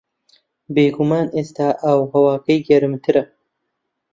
بێگومان ئێستا ئاو و ھەواکەی گەرمترە